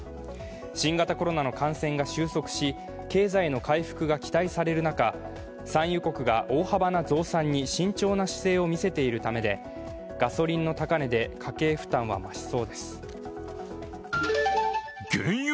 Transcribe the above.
新型コロナの感染が収束し、経済の回復が期待される中、期待される中、産油国が大幅な増産に慎重な姿勢を見せているためでガソリンの高値で家計負担は増しそうです。